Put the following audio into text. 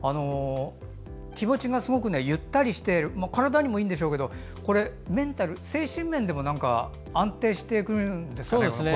気持ちがすごくゆったりして体にもいいんでしょうが精神面でも安定してくるんですかね。